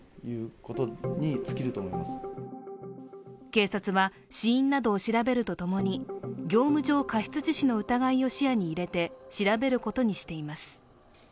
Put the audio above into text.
警察は死因などを調べるとともに業務上過失致死の疑いを視野に入れて調べることにしています。